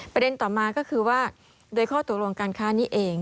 ประเด็นต่อมาก็คือว่าโดยข้อตกลงการค้านี้เอง